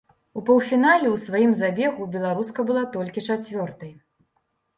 У паўфінале ў сваім забегу беларуска была толькі чацвёртай.